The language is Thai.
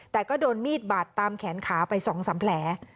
แต่ก็โดนมีดบาดตามแขนขาไป๒๓แผล